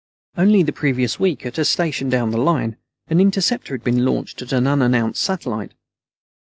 Only the previous week, at a station down the line, an interceptor had been launched at an unannounced satellite.